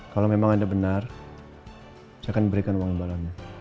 kalau memang anda benar saya akan berikan uang barangnya